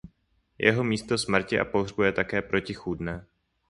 Jeho místo smrti a pohřbu je také protichůdné.